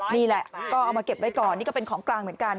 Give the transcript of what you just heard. นี่แหละก็เอามาเก็บไว้ก่อนนี่ก็เป็นของกลางเหมือนกัน